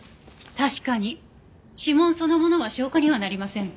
確かに指紋そのものは証拠にはなりません。